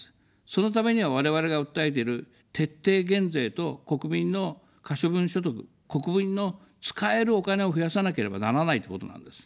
そのためには、我々が訴えている徹底減税と国民の可処分所得、国民の使えるお金を増やさなければならないってことなんです。